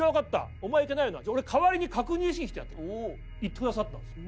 「お前行かないなら俺代わりに確認してきてやる」と行ってくださったんですよ。